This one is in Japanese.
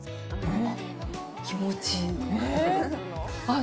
気持ちいい。